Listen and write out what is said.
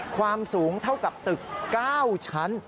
ความสูงเท่ากับตึก๙ชั้น